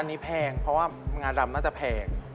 อันนี้แพงเพราะว่างานรำน่าจะแพง